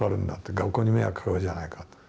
学校に迷惑かかるじゃないか」。